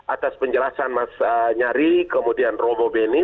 atas penjelasan mas nyari kemudian romo beni